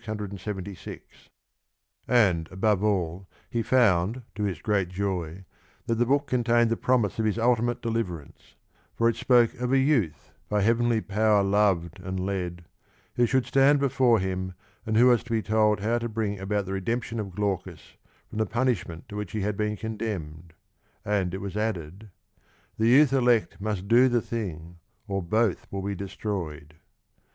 676) and, above all, he found to his great joy that the book contained the promise of his ultimate deliverance, for 60 it spoke of a youth, " by heavenly power lov'd and led," who should stand before him and who was to be told how to bring about the redemption of Glaucus from the punishment to which he had been condemned ; and it was added, The youth elect Must do the thing, or both will be destroy'd.